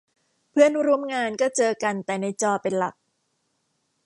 เพื่อนร่วมงานก็เจอกันแต่ในจอเป็นหลัก